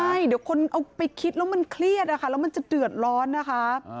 ใช่เดี๋ยวคนเอาไปคิดแล้วมันเครียดนะคะแล้วมันจะเดือดร้อนนะคะ